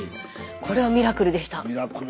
これはミラクルでした。